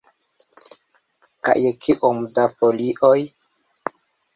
Kaj kiom da folioj?